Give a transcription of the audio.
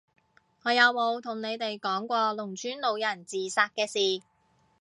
我有冇同你哋講過農村老人自殺嘅事？